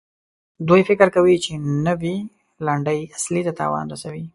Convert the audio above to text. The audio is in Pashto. دوی فکر کوي چې نوي لنډۍ اصلي ته تاوان رسوي.